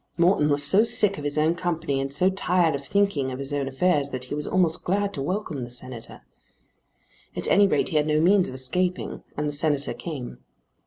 Morton was so sick of his own company and so tired of thinking of his own affairs that he was almost glad to welcome the Senator. At any rate he had no means of escaping, and the Senator came.